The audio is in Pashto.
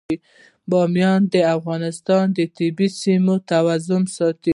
بامیان د افغانستان د طبعي سیسټم توازن ساتي.